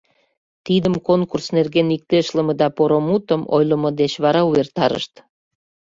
Тидым конкурс нерген иктешлыме да поро мутым ойлымо деч вара увертарышт.